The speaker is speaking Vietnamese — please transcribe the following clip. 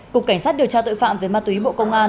cục cảnh sát điều tra tội phạm về ma túy bộ công an